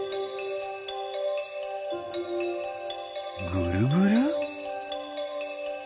ぐるぐる？